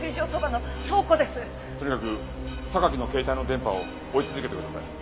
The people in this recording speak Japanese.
とにかく榊の携帯の電波を追い続けてください。